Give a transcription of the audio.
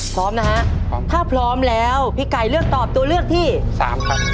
พร้อมนะฮะพร้อมถ้าพร้อมแล้วพี่ไก่เลือกตอบตัวเลือกที่สามครับ